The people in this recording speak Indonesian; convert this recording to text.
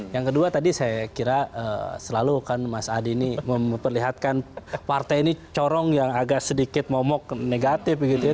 yang kedua tadi saya kira selalu kan mas adi ini memperlihatkan partai ini corong yang agak sedikit momok negatif gitu ya